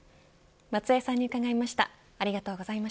松江さんに伺いました。